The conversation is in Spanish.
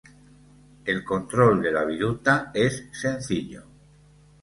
El control de la viruta es sencillo.